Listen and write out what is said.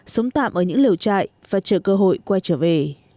sống tạm ở những liều trại và chờ cơ hội quay trở về